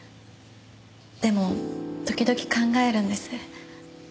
でも時々考えるんです。